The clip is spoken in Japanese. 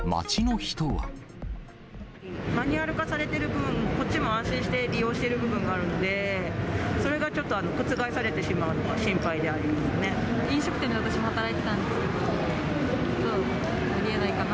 マニュアル化されてる分、こっちも安心して利用してる部分があるので、それがちょっと覆さ飲食店で私も働いてたんですけど、ありえないかな。